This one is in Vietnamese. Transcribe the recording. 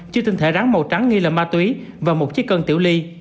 chứa tinh thể rắn màu trắng nghi là ma túy và một chiếc cân tiểu ly